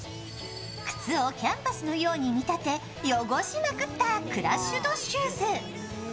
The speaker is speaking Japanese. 靴をキャンパスのように見立て汚しまくったクラッシュドシューズ。